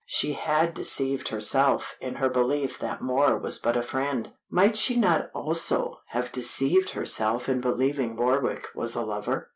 She had deceived herself in her belief that Moor was but a friend, might she not also have deceived herself in believing Warwick was a lover?